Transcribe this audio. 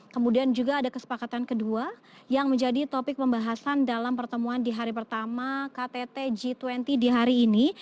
kemudian juga ada kesepakatan kedua yang menjadi topik pembahasan dalam pertemuan di hari pertama ktt g dua puluh di hari ini